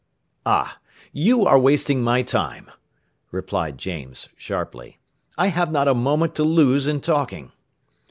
"Ah! You are wasting my time," replied James, sharply; "I have not a moment to lose in talking."